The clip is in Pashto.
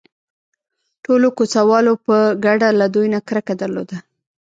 ټولو کوڅه والو په ګډه له دوی نه کرکه درلوده.